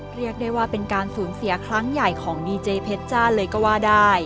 เรียกได้ว่าเป็นการสูญเสียครั้งใหญ่ของดีเจเพชรจ้าเลยก็ว่าได้